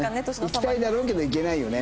いきたいだろうけどいけないよね。